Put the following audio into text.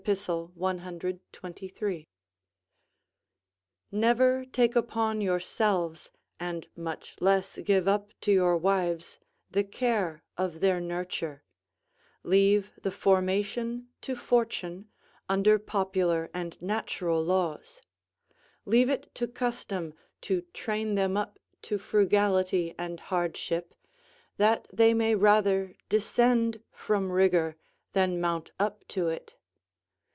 123.] Never take upon yourselves, and much less give up to your wives, the care of their nurture; leave the formation to fortune, under popular and natural laws; leave it to custom to train them up to frugality and hardship, that they may rather descend from rigour than mount up to it.